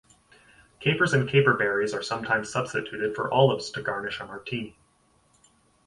Capers and caper berries are sometimes substituted for olives to garnish a martini.